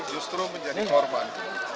justru menjadi korban